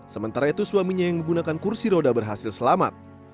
sementara itu suaminya yang menggunakan kursi roda berhasil selamat